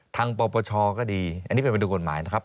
ทางปรปชก็ดีอันนี้เป็นประดูกกฎหมายนะครับ